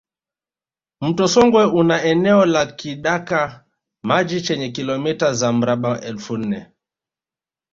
Mto Songwe una eneo la kidaka maji chenye kilomita za mraba elfu nne